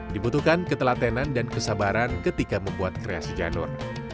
dibutuhkan ketelatenan dan kesabaran ketika membuat kreasi janur